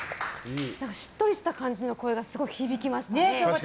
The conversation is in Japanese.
しっとりした感じの声がすごく響きましたね。